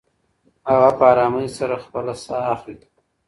هغه په ارامۍ سره خپله ساه اخلې.